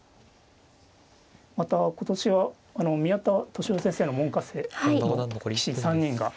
また今年は宮田利男先生の門下生の棋士３人が。